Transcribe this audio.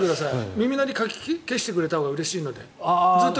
耳鳴りをかき消してくれたほうがうれしいので。